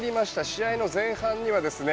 試合の前半にはですね